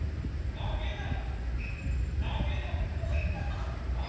投げない！」。